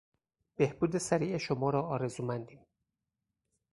بهبود سریع شما را آرزومندیم.